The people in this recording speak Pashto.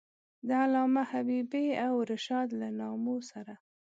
د علامه حبیبي او رشاد له نامو سره.